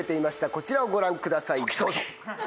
こちらをご覧ください。